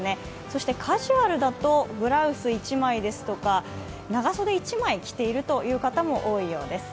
そしてカジュアルだとブラウス１枚ですとか長袖１枚着ている人も多いようです